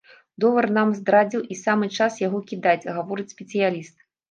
Долар нам здрадзіў, і самы час яго кідаць, гаворыць спецыяліст.